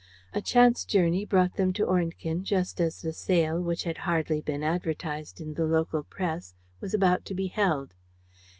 A chance journey brought them to Ornequin just as the sale, which had hardly been advertised in the local press, was about to be held.